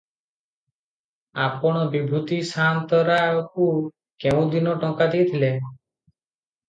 "ଆପଣ ବିଭୂତି ସାଆନ୍ତରାକୁ କେଉଁଦିନ ଟଙ୍କା ଦେଇଥିଲେ?"